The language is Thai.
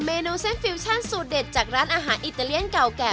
เมนูเส้นฟิวชั่นสูตรเด็ดจากร้านอาหารอิตาเลียนเก่าแก่